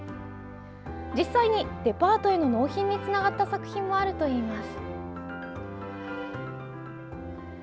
実際に、デパートへの納品につながった作品もあるといいます。